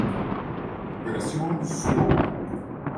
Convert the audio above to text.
Operación Sodoma.